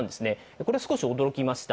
これは少し驚きました。